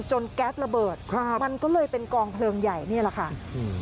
จนแก๊สระเบิดมันก็เลยเป็นกองเพลิงใหญ่นี่แหละคะครับ